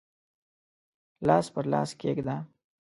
لاس پر لاس کښېږده